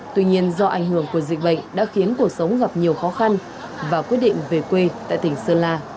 tuy nhiên do ảnh hưởng của dịch bệnh đã khiến cuộc sống gặp nhiều khó khăn và quyết định về quê tại tỉnh sơn la